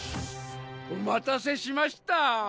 お待たせしました。